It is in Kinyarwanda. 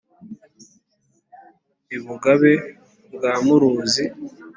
i bugabe bwa muruzi